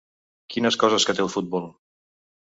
Quines coses que té el futbol!